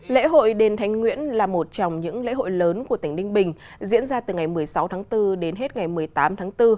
lễ hội đền thánh nguyễn là một trong những lễ hội lớn của tỉnh ninh bình diễn ra từ ngày một mươi sáu tháng bốn đến hết ngày một mươi tám tháng bốn